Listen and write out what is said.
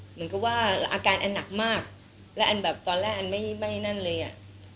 เหมือนกับว่าอาการอันหนักมากและอันแบบตอนแรกอันไม่ไม่นั่นเลยอ่ะ